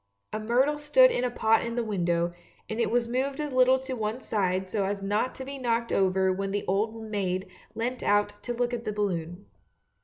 A myrtle stood in a pot in the window, and it was moved a little to one side so as not to be knocked over when the old maid leant out to look at the balloon.